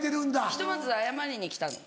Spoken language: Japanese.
ひとまず謝りに来たの。